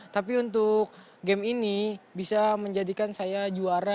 tapi untuk game ini bisa menjadikan saya jauh lebih mudah